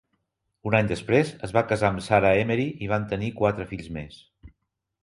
Un any després, es va casar amb Sarah Emery i va tenir quatre fills més.